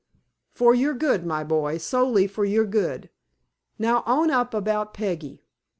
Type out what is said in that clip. "For your good, my boy, solely for your good. Now, own up about Peggy."